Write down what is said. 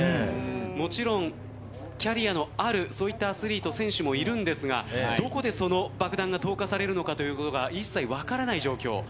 もちろんキャリアのあるそういったアスリート、選手もいるんですが、どこでその爆弾が投下されるのかということが一切分からない状況。